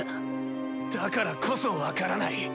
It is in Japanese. だからこそ分からない。